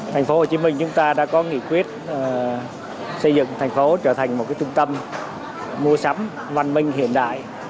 thành phố hồ chí minh chúng ta đã có nghị quyết xây dựng thành phố trở thành một trung tâm mua sắm văn minh hiện đại